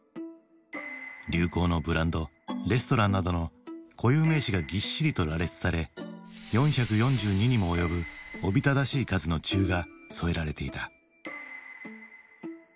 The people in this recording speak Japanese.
流行のブランドレストランなどの固有名詞がぎっしりと羅列され４４２にも及ぶおびただしい数の注が添えられていた。